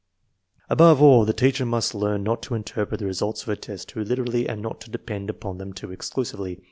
Above all, the teacher must learn not to interpret the results of her tests too literally and not to depend upon them too exclusively.